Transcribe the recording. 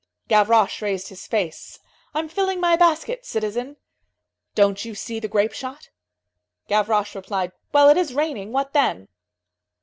Gavroche raised his face:— "I'm filling my basket, citizen." "Don't you see the grape shot?" Gavroche replied: "Well, it is raining. What then?"